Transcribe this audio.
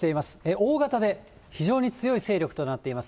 大型で非常に強い勢力となっています。